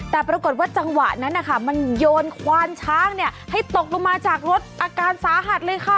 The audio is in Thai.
แต่ปรากฏว่าจังหวะนั้นนะคะมันโยนควานช้างให้ตกลงมาจากรถอาการสาหัสเลยค่ะ